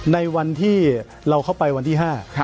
ในวันที่เราเข้าไปวันที่๕